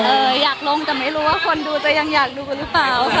อยากลงแต่ไม่รู้ว่าคนดูจะยังอยากดูหรือเปล่า